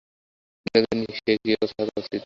বিনোদিনীর সে কি অগোচর থাকা উচিত।